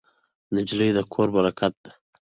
نجلۍ د کور برکت ده.